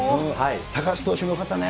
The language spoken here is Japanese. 高橋投手もよかったね。